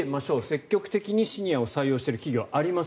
積極的にシニアを採用している企業あります。